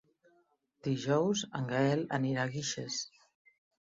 Dijous en Gaël anirà a Guixers.